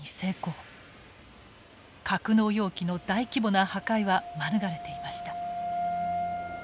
格納容器の大規模な破壊は免れていました。